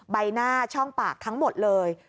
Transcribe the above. ใบหน้าช่องปากทั้งหมดเลย